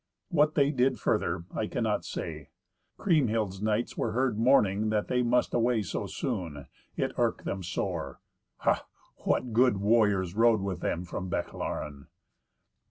What they did further, I cannot say. Kriemhild's knights were heard mourning that they must away so soon; it irked them sore. Ha! what good warriors rode with them from Bechlaren.